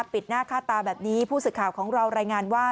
หน้าค่าตาแบบนี้ผู้สื่อข่าวของเรารายงานว่า